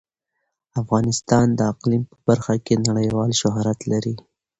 افغانستان د اقلیم په برخه کې نړیوال شهرت لري.